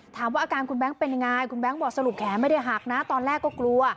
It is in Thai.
อาการคุณแบงค์เป็นยังไงคุณแบงค์บอกสรุปแขนไม่ได้หักนะตอนแรกก็กลัว